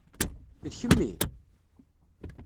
D kemmi?